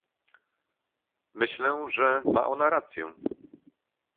Myślę, że ma on rację